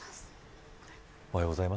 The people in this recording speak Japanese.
おはようございます。